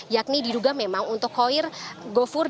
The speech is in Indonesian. yakni diduga memang untuk hoir gofur